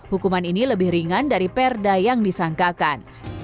hukuman ini lebih ringan dari perda yang disangkakan